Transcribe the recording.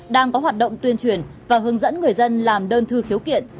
đang có hoạt động tuyên truyền và hướng dẫn người dân làm đơn thư khiếu kiện